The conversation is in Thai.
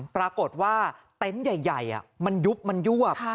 ปรากฏว่าเต็นต์ใหญ่มันยุบมันยวบ